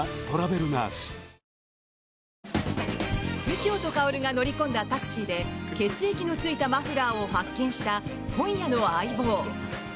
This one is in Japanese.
右京と薫が乗り込んだタクシーで血液のついたマフラーを発見した今夜の「相棒」。